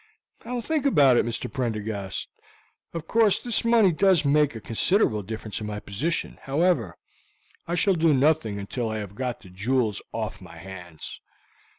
"I will think about it, Mr. Prendergast. Of course this money does make a considerable difference in my position; however, I shall do nothing until I have got the jewels off my hands."